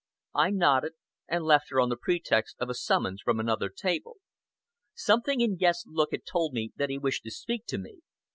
I nodded, and left her on the pretext of a summons from another table. Something in Guest's look had told me that he wished to speak to me.